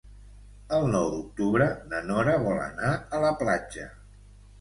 El nou d'octubre na Nora vol anar a la platja.